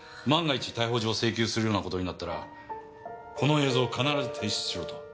万が一逮捕状を請求するようなことになったらこの映像を必ず提出しろと。